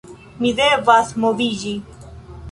Mi devas moviĝi